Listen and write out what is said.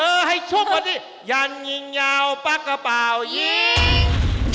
เธอให้ชุบกว่านี้ยันยิงเยาว์ปั๊กกระเป๋ายิง